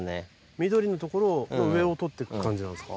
緑のところの上を採っていく感じなんですか？